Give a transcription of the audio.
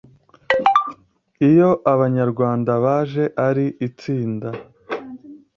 iyo Abanyarwanda baje ari itsinda